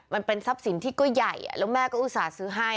มันเป็นทรัพย์สินที่ก็ใหญ่แล้วแม่ก็อุตส่าห์ซื้อให้